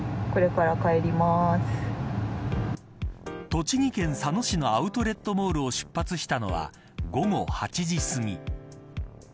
栃木県佐野市のアウトレットモールを出発したのは午後８時すぎ。